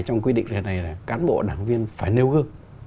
trong quy định lần này là cán bộ đảng viên phải nêu gương